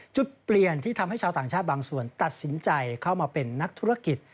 จุดเปลี่ยนที่ทำให้ชาวต่างชาติบางส่วนตัดสินใจเข้ามาเป็นนักธุรกิจ